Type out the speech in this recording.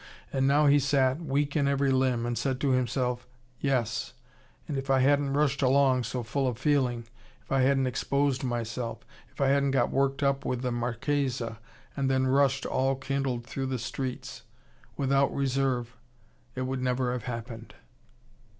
And now he sat, weak in every limb, and said to himself: "Yes and if I hadn't rushed along so full of feeling: if I hadn't exposed myself: if I hadn't got worked up with the Marchesa, and then rushed all kindled through the streets, without reserve, it would never have happened.